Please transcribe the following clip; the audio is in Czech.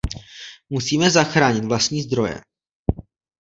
Musíme zachránit vlastní zdroje.